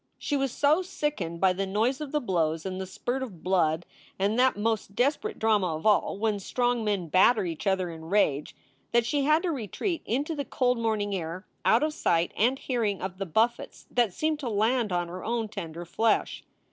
She was so sickened by the noise of the blows, and the spurt of blood, and that most desperate drama of all : when strong men batter each other in rage, that she had to re treat into the cold morning air out of sight and hearing of the buffets that seemed to land on her own tender flesh.